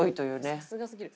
さすがすぎる。